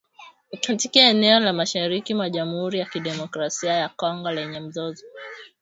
katika eneo la mashariki mwa jamhuri ya kidemokrasia ya Kongo lenye mzozo